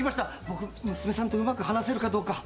僕娘さんとうまく話せるかどうか。